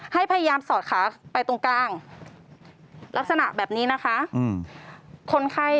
ให้พยายามสอดขาไปตรงกลางลักษณะแบบนี้นะคะคนไข้